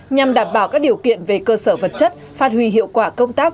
nhằm đảm bảo các điều kiện về cơ sở vật chất phát huy hiệu quả công tác